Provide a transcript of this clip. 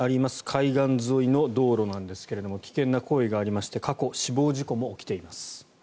海岸沿いの道路なんですが危険な行為がありまして過去、死亡事故も起きています。